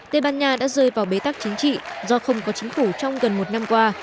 tây ban nha đã rơi vào bế tắc chính trị do không có chính phủ trong gần một năm qua